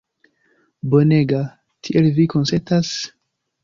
Bonega! Tiel, vi konsentas?